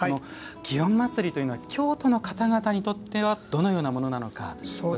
祇園祭というのは京都の方々にとってはどのようなものなのか。